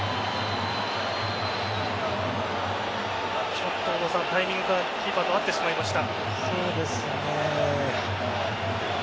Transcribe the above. ちょっとタイミングがキーパーと合ってしまいました。